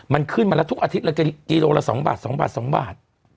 มันขึ้นมาแล้วทุกอาทิตย์ละกิโลละ๒บาท๒บาท๒บาท